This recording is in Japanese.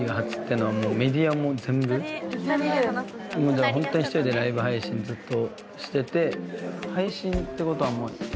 じゃあホントに１人でライブ配信ずっとしてて。